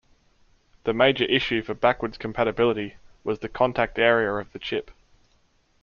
The major issue for backward compatibility was the contact area of the chip.